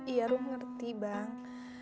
iya rum ngerti bang